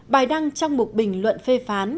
bài đăng trong một bình luận phê phán